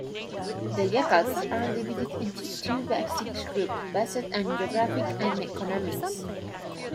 The Yakuts are divided into two basic groups based on geography and economics.